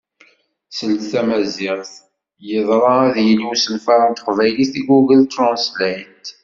Seld Tamaziɣt, yadra ad yili usenfar n Teqbaylit di Google Translate?